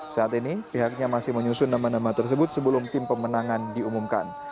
saat ini pihaknya masih menyusun nama nama tersebut sebelum tim pemenangan diumumkan